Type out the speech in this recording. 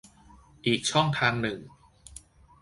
อีกช่องทางหนึ่ง